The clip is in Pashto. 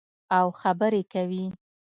او خبرې کوي.